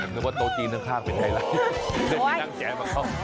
นึกว่าโต๊ะจีนข้างเป็นไฮไลท์ไม่ได้มีนางแจ๋มาเข้า